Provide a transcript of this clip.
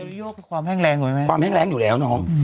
เอลนีโยคือความแห้งแรงอยู่ไหมแม่ความแห้งแรงอยู่แล้วน้อง